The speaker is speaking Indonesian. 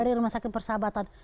dari rumah sakit persahabatan